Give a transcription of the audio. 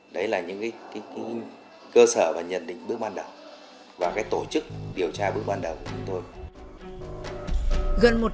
đấy là những cơ sở và nhận định bước ban đầu và tổ chức điều tra bước ban đầu của chúng tôi